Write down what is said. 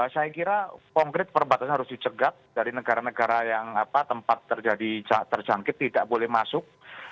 saya kira konkret perbatasan harus dicegat dari negara negara yang tempat terjangkit tidak boleh masuk